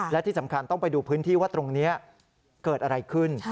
และที่สำคัญต้องไปดูพื้นที่ว่าตรงนี้เกิดอะไรขึ้น